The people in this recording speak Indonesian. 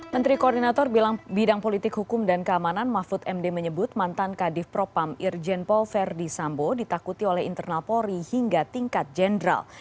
menteri koordinator bidang politik hukum dan keamanan mahfud md menyebut mantan kadif propam irjen paul verdi sambo ditakuti oleh internal polri hingga tingkat jenderal